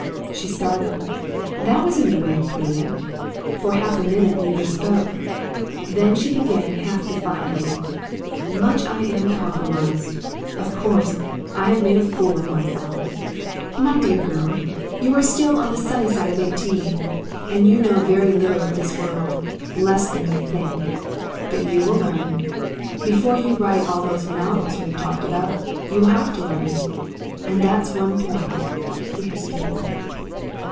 She started. That was a new way of putting it. For half a minute neither spoke. Then she began half defiantly: "Much I am compromised. Of course I have made a fool of myself " "My dear girl, you are still on the sunny side of eighteen, and you know very little of this world. Less than you think. But you will learn. Before you write all those novels we have talked about, you will have to learn. And that's one point " He hesitated.